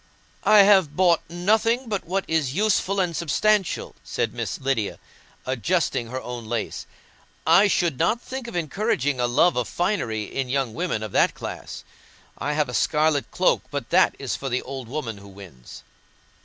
"I have bought nothing but what is useful and substantial," said Miss Lydia, adjusting her own lace; "I should not think of encouraging a love of finery in young women of that class. I have a scarlet cloak, but that is for the old woman who wins."